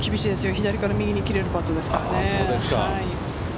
左から右に切れるパットですからね。